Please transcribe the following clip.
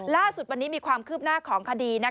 ล่าสุดวันนี้มีความคืบหน้าของคดี